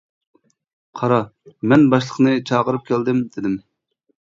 -قارا، مەن باشلىقنى چاقىرىپ كەلدىم، دېدىم.